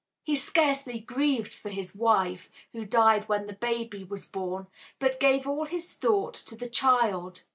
He scarcely grieved for his wife, who died when the baby was born, but gave all his thought to the child.